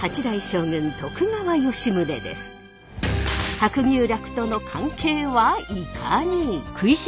白牛酪との関係はいかに？